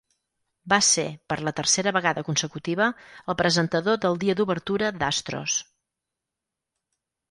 Va ser, per la tercera vegada consecutiva, el presentador del dia d'obertura d'Astros.